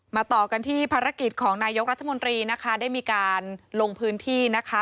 ต่อกันที่ภารกิจของนายกรัฐมนตรีนะคะได้มีการลงพื้นที่นะคะ